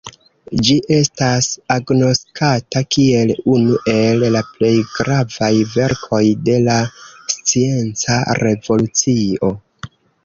Ĝi estas agnoskata kiel unu el la plej gravaj verkoj de la Scienca revolucio.